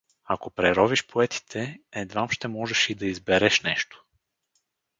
Ако преровиш поетите, едвам ще можеш и да избереш нещо.